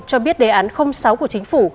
cho biết đề án sáu của chính phủ